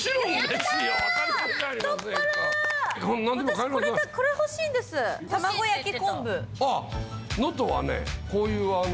私これ欲しいんです卵焼きこんぶ。